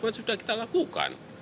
kan sudah kita lakukan